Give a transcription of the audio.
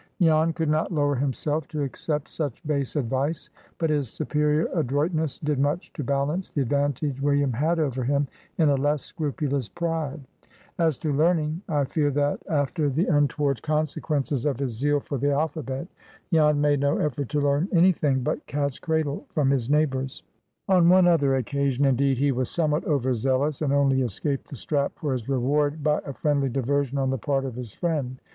Jan could not lower himself to accept such base advice; but his superior adroitness did much to balance the advantage William had over him, in a less scrupulous pride. As to learning, I fear that, after the untoward consequences of his zeal for the alphabet, Jan made no effort to learn any thing but cat's cradle from his neighbors. On one other occasion, indeed, he was somewhat over zealous, and only escaped the strap for his reward by a friendly diversion on the part of his friend.